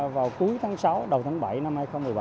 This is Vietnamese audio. vào cuối tháng sáu đầu tháng bảy năm hai nghìn một mươi bảy